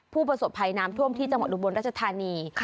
ผู้ประสบภัยน้ำท่วมที่จังหวัดอุบลรัชธานี